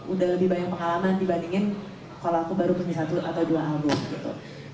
udah lebih banyak pengalaman dibandingin kalau aku baru punya satu atau dua album gitu